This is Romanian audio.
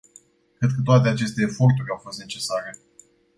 Cred că toate aceste eforturi au fost necesare.